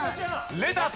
レタス。